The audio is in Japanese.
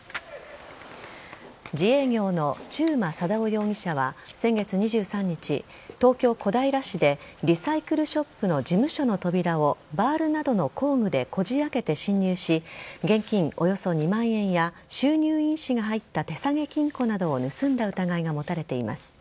自営業の中馬貞夫容疑者は先月２３日東京・小平市でリサイクルショップの事務所の扉をバールなどの工具でこじ開けて侵入し現金およそ２万円や収入印紙が入った手提げ金庫などを盗んだ疑いが持たれています。